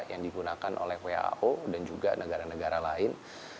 yang digunakan oleh who dan juga negara negara lain